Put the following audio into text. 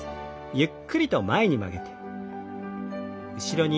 ゆっくりと前に曲げて後ろに。